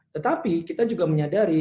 tetapi kita juga menyadari